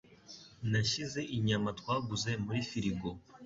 Nashyize inyama twaguze muri firigo.